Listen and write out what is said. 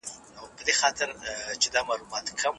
آیا ته د خطر منلو لپاره چمتو یې؟